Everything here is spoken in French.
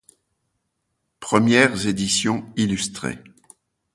Premières éditions illustrées.